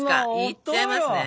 いっちゃいますね。